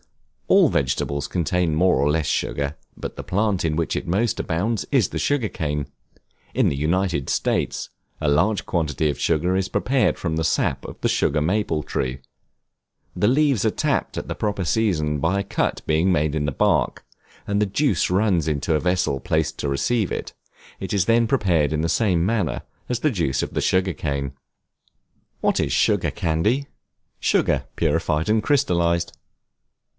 All vegetables contain more or less sugar, but the plant in which it most abounds is the sugar cane. In the United States, a large quantity of sugar is prepared from the sap of the Sugar Maple Tree. The trees are tapped at the proper season by a cut being made in the bark, and the juice runs into a vessel placed to receive it; it is then prepared in the same manner as the juice of the sugar cane. What is Sugar Candy? Sugar purified and crystallized.